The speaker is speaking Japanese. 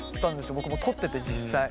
僕もう撮ってて実際。